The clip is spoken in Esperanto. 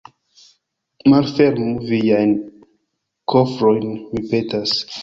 Malfermu viajn kofrojn, mi petas.